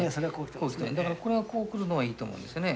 だからこれがこう来るのはいいと思うんですよね